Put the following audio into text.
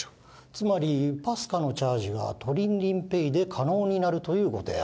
つまりＰＡＳＣＡのチャージがトリンリンＰａｙで可能になるというご提案？